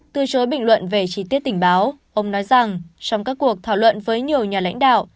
từ chối bình luận về chi tiết tình báo ông nói rằng trong các cuộc thảo luận với nhiều nhà lãnh đạo